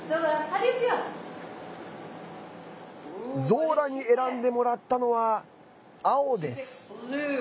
ゾーラに選んでもらったのは青です。